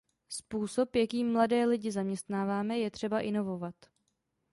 Způsob, jakým mladé lidi zaměstnáváme, je třeba inovovat.